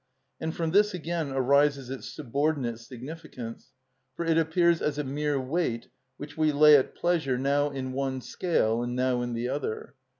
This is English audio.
And from this again arises its subordinate significance, for it appears as a mere weight which we lay at pleasure now in one scale and now in the other.